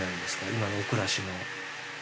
今の暮らしの。